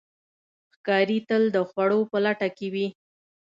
ښکاري تل د خوړو په لټه کې وي.